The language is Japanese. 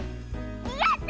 やった！